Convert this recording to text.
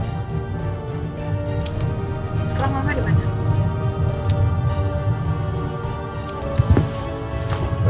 kalau mama dimana